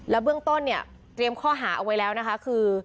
เบื้องต้นเนี่ยเตรียมข้อหาเอาไว้แล้วนะคะคือ